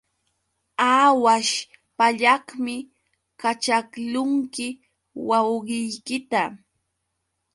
Aawaśh pallaqmi kaćhaqlunki wawqiykita.